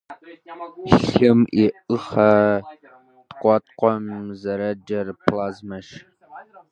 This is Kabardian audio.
Лъым и ӏыхьэ ткӏуаткӏуэм зэреджэр плазмэщ.